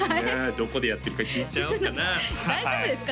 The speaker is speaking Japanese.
どこでやってるか聞いちゃおっかな大丈夫ですか？